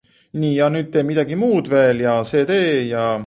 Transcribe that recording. Thinner deposits are in the northeast where the loess only fills basins.